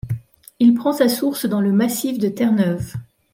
Il prend sa source dans le massif de Terre Neuve.